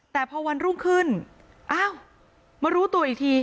แต่พอวันรุ่งขึ้นอ้าวมารู้ตัวอีกที